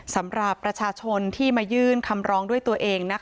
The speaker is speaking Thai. สำหรับประชาชนที่มายื่นคำร้องด้วยตัวเอง